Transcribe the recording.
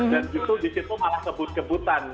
dan justru disitu malah kebut kebutan